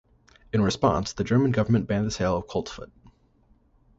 In response the German government banned the sale of coltsfoot.